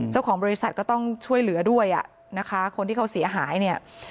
เจ้าของบริษัทก็ต้องช่วยเหลือด้วยอ่ะนะคะคนที่เขาเสียหายเนี่ย